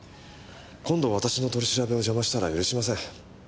今度私の取り調べを邪魔したら許しません。